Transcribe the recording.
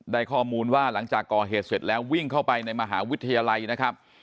ได้ข้อมูลว่าหลังจากก่อเหตุเสร็จแล้ววิ่งเข้าไปในมหาวิทยาลัยนะครับ